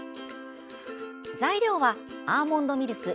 材料はアーモンドミルク